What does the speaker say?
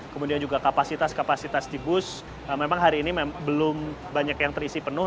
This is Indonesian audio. kemudian juga kapasitas kapasitas di bus memang hari ini belum banyak yang terisi penuh